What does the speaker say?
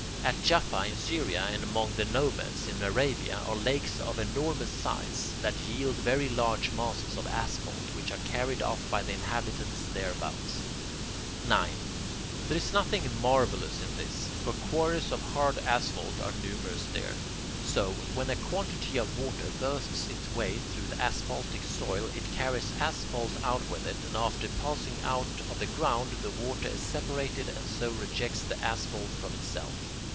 At Jaffa in Syria and among the Nomads in Arabia, are lakes of enormous size that yield very large masses of asphalt, which are carried off by the inhabitants thereabouts. 9. There is nothing marvellous in this, for quarries of hard asphalt are numerous there. So, when a quantity of water bursts its way through the asphaltic soil, it carries asphalt out with it, and after passing out of the ground, the water is separated and so rejects the asphalt from itself.